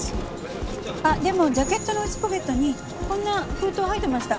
でもジャケットの内ポケットにこんな封筒入ってました。